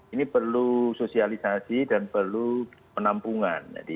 ini perlu sosialisasi dan perlu penampungan